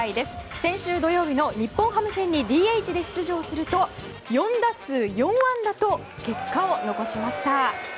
先週土曜日の日本ハム戦にＤＨで出場すると４打数４安打と結果を残しました。